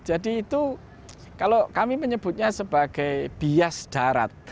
jadi itu kalau kami menyebutnya sebagai bias darat